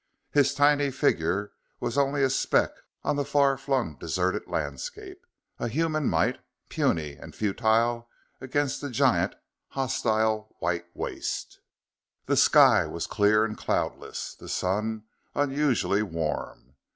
His tiny figure was only a speck on the far flung, deserted landscape a human mite, puny and futile against the giant, hostile white waste. The sky was clear and cloudless, the sun unusually warm.